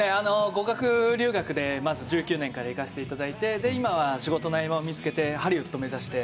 語学留学でまず１９年から行かせていただいて、今は仕事の合間を見つけてハリウッドを目指して。